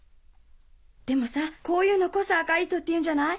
でもさこういうのこそ赤い糸っていうんじゃない？